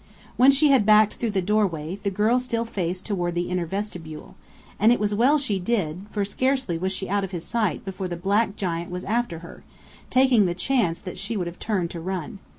When she had backed through the doorway, the girl still faced toward the inner vestibule, and it was well she did so, for scarcely was she out of his sight before the black giant was after her, taking the chance that she would have turned to run.